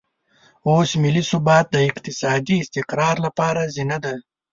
اوس ملي ثبات د اقتصادي استقرار لپاره زینه ده.